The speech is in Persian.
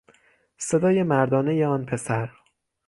صدای مردانهی آن پسر